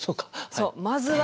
そうまずは。